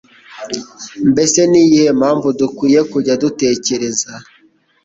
mbese niyihe mpamvu dukwiye kujya dutekereza